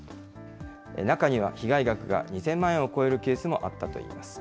中には被害額が２０００万円を超えるケースもあったといいます。